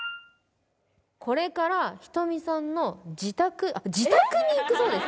「これから人見さんの自宅」「自宅に行くそうです！！！！」